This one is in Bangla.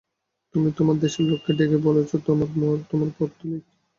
তুমি তোমার দেশের লোককে ডেকে বলছ–তোমরা মূঢ়, তোমরা পৌত্তলিক।